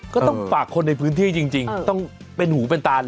ก็ต้องฝากคนในพื้นที่จริงต้องเป็นหูเป็นตาเลย